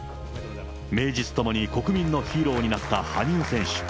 名実ともに国民のヒーローになった羽生選手。